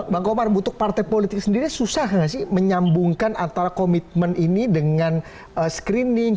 bang komar untuk partai politik sendiri susah nggak sih menyambungkan antara komitmen ini dengan screening